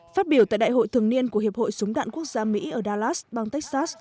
phát biểu tại đại hội thường niên của hiệp hội súng đạn quốc gia mỹ ở dalas bang texas